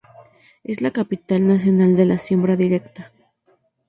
Es la Capital Nacional de la Siembra Directa.